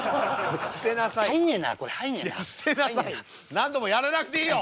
何度もやらなくていいの！